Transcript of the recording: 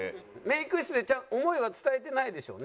メイク室で想いは伝えてないでしょうね？